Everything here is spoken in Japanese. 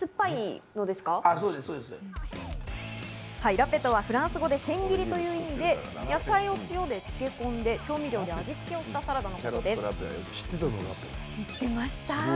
ラペとはフランス語で千切りという意味で野菜を塩で漬け込んで、調味料で味つけをしたサラダのことです。